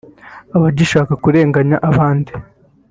abagishaka kurenganya abandi